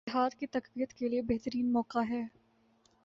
اتحاد کی تقویت کیلئے بہترین موقع ہے